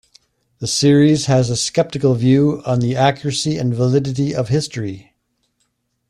The series has a sceptical view on the accuracy and validity of history.